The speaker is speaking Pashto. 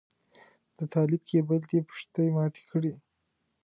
د طالب کيبل دې پښتۍ ماتې کړې.